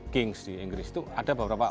games di inggris itu ada beberapa